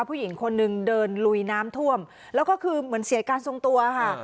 ผู้หญิงคนนึงเดินลุยน้ำท่วมแล้วก็คือเหมือนเสียการทรงตัวค่ะ